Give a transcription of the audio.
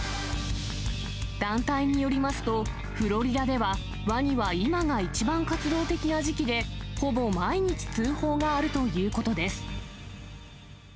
団体によりますと、フロリダではワニは今が一番活動的な時期で、ほぼ毎日通報があるということです。